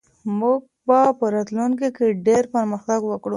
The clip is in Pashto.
موږ به په راتلونکي کې ډېر پرمختګ وکړو.